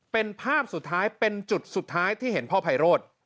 เป็นภาพสุดท้ายเป็นจุดสุดท้ายที่เห็นพ่อไพโรธ